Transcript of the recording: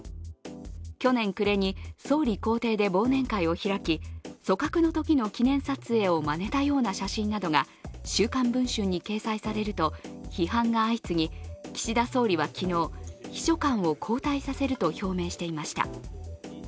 去年暮れに総理公邸で忘年会を開き、組閣のときの記念撮影をまねたような写真などが「週刊文春」に掲載されると批判が相次ぎ、岸田総理は昨日、秘書官を交代させると表明していました。